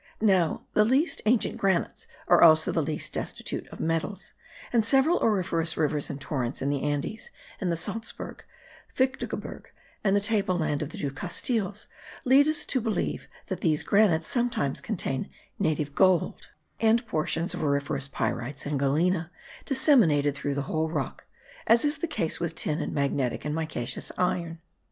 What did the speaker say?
Now the least ancient granites are also the least destitute of metals; and several auriferous rivers and torrents in the Andes, in the Salzburg, Fichtelgebirge, and the table land of the two Castiles, lead us to believe that these granites sometimes contain native gold, and portions of auriferous pyrites and galena disseminated throughout the whole rock, as is the case with tin and magnetic and micaceous iron.